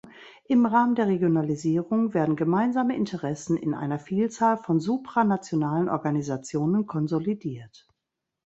Im Rahmen der Regionalisierung werden gemeinsame Interessen in einer Vielzahl von supranationalen Organisationen konsolidiert.